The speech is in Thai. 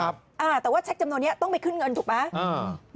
อ่าแต่ว่าเช็คจำนวนนี้ต้องไปขึ้นเงินถูกไหมอ่า